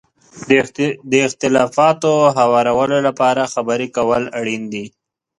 د اختلافاتو هوارولو لپاره خبرې کول اړین دي.